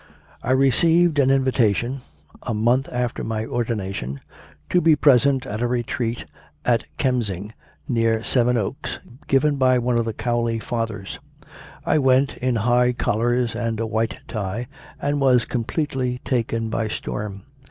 I received an invitation, a month after my ordina tion, to be present at a retreat at Kemsing, near Sevenoaks, given by one of the Cowley "Fathers." I went, in high collars and a white tie, and was completely taken by storm.